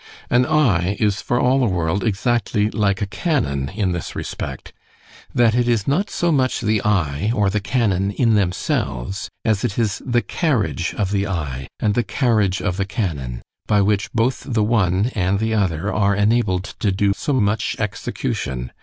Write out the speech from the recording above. XLIX AN eye is for all the world exactly like a cannon, in this respect; That it is not so much the eye or the cannon, in themselves, as it is the carriage of the eye——and the carriage of the cannon, by which both the one and the other are enabled to do so much execution.